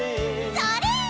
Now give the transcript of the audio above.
それ！